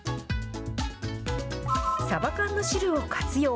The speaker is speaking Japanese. さば缶の汁を活用。